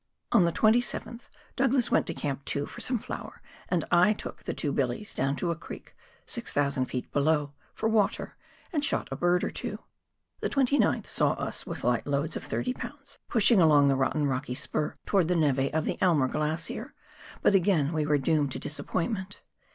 On the 27th, Douglas went to Camp 2 for some flour, and I took the two billies down to a creek, 600 ft. below, for water, and shot a bird or two. The 29th saw us, with light loads of 30 lbs., pushing along the rotten rocky spur towards the neve of the Aimer Glacier, but again we were doomed to disappointment.